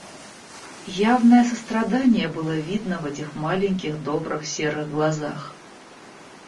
Явное сострадание было видно в этих маленьких добрых серых глазах.